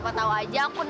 kamu yang kecil